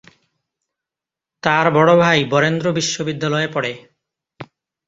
তার বড় ভাই বরেন্দ্র বিশ্ববিদ্যালয়ে পড়ে।